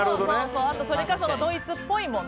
それか、ドイツっぽいもの。